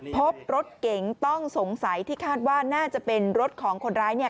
พบรถเก๋งต้องสงสัยที่คาดว่าน่าจะเป็นรถของคนร้ายเนี่ย